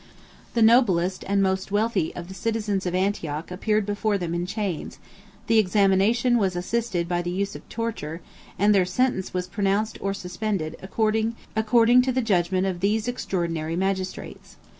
The noblest, and most wealthy, of the citizens of Antioch appeared before them in chains; the examination was assisted by the use of torture, and their sentence was pronounced or suspended, according to the judgment of these extraordinary magistrates.